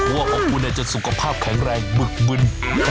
หัวของกูเนี่ยจะสุขภาพแข็งแรงบึกบึน